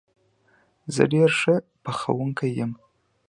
زه ډېره ښه پخوونکې یم